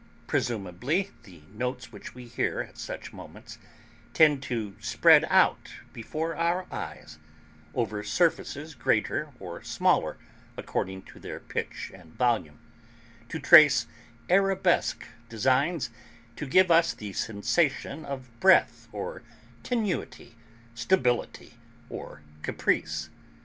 Presumably the notes which we hear at such moments tend to spread out before our eyes, over surfaces greater or smaller according to their pitch and volume; to trace arabesque designs, to give us the sensation of breadth or tenuity, stability or caprice.